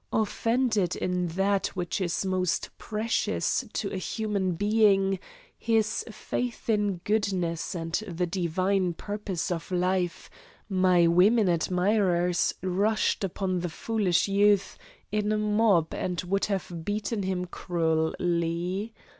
Offended in that which is most precious to a human being, his faith in goodness and the divine purpose of life, my women admirers rushed upon the foolish youth in a mob and would have beaten him cruelly.